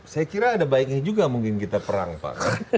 saya kira ada baiknya juga mungkin kita perang pak